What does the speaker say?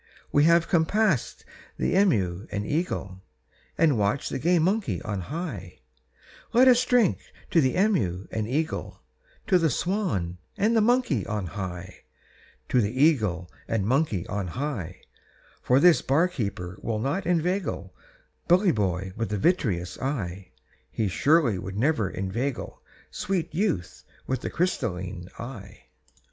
We have come past the emeu and eagle, And watched the gay monkey on high; Let us drink to the emeu and eagle, To the swan and the monkey on high, To the eagle and monkey on high; For this bar keeper will not inveigle, Bully boy with the vitreous eye, He surely would never inveigle, Sweet youth with the crystalline eye."